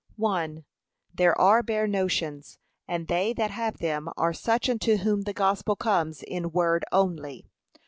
1. There are bare notions, and they that have them are such unto whom the gospel comes IN WORD ONLY.